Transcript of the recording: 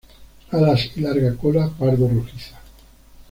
Alas y larga cola pardo rojiza.